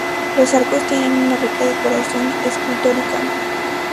Los arcos tienen una rica decoración escultórica.